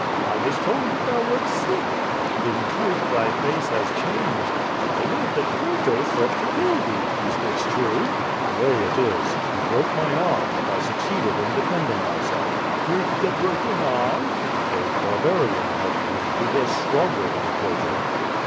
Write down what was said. I was told that thou wert sick. In truth thy face has changed. But I heard that Croto sought to kill thee. Is this true?" "Yea, it is. He broke my arm, but I succeeded in defend* ing myself/' QUO VADIS. 239 ^'Witli the broken arm?" ' "A Barbarian helped me, who was stronger than Croio."